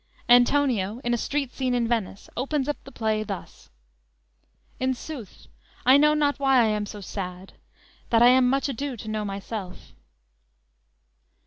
Antonio in a street scene in Venice opens up the play thus: _"In sooth, I know not why I am so sad; That I am much ado to know myself."